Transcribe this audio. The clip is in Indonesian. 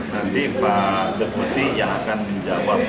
nanti pak deputi yang akan menjawab